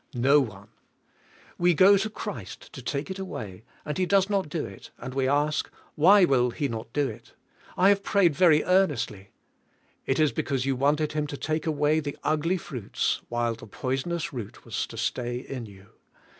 No one. We go to Christ to take it away, and he does not do it; and we ask, "Why will he not do it? I have prayed very earnestly." It is because you wanted Him to take aw^a}^ the ugly fruits while the poisonous root was to stay in you.